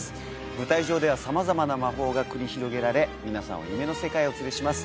舞台上では様々な魔法が繰り広げられ皆さんを夢の世界へお連れします